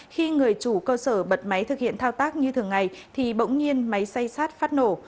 khi người chủ cơ sở bật máy thực hiện thao tác như thường ngày thì bỗng nhiên máy xay sát phát nổ